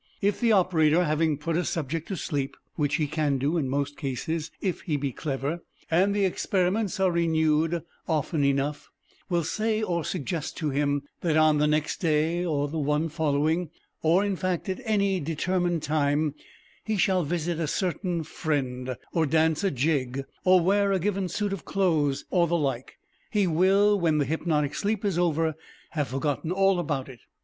If the operator, having put a subject to sleep (which he can do in most cases, if he be clever, and the experiments are renewed often enough), will say or suggest to him that on the next day, or the one following, or, in fact, any determined time, he shall visit a certain friend, or dance a jig, or wear a given suit of clothes, or the like, he will, when the hypnotic sleep is over, have forgotten all about it.